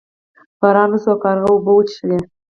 باران وشو او کارغه اوبه وڅښلې.